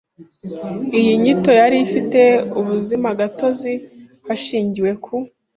iyi nyito yari ifite ubuzimagatozi hashingiwe ku